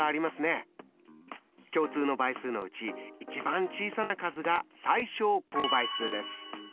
共通の倍数のうち一番小さな数が最小公倍数です。